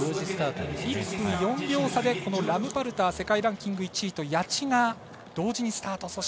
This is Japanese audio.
１分４秒差でラムパルター世界ランキング１位と谷地が同時にスタート。